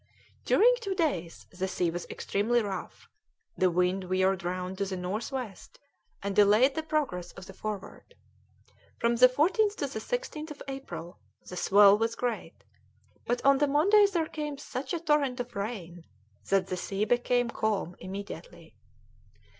During two days the sea was extremely rough; the wind veered round to the north west, and delayed the progress of the Forward. From the 14th to the 16th of April the swell was great, but on the Monday there came such a torrent of rain that the sea became calm immediately.